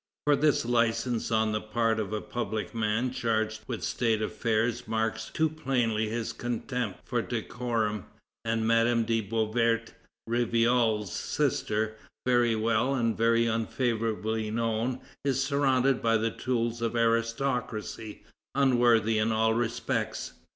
For this license on the part of a public man charged with State affairs marks too plainly his contempt for decorum; and Madame de Beauvert, Rivarol's sister, very well and very unfavorably known, is surrounded by the tools of aristocracy, unworthy in all respects."